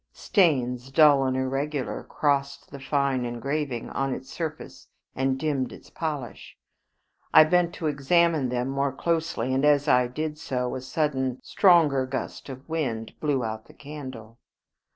Stains, dull and irregular, crossed the fine engraving on its surface and dimmed its polish. I bent to examine them more closely, and as I did so a sudden stronger gust of wind blew out the candle.